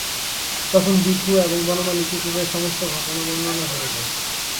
তখন বিধু এবং বনমালী কুটিরের সমস্ত ঘটনা বর্ণনা করিল।